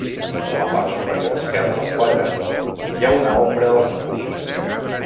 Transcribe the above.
A la part superior esquerra del quadre, hi ha una ombra als núvols.